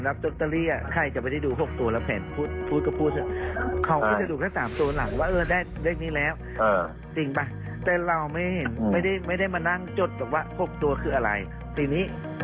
วางให้แค่สามตัวแล้วเราไม่ได้มานั่งจดว่า๖ตัวคืออะไร